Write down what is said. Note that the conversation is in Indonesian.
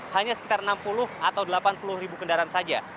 hanya sekitar enam puluh atau delapan puluh ribu kendaraan saja